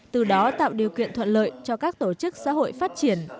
từ đó tạo điều kiện thuận lợi cho các tổ chức xã hội phát triển